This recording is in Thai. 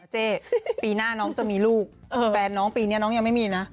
เจ๊ปีหน้าน้องจะมีลูกแฟนน้องปีนี้น้องยังไม่มีนะ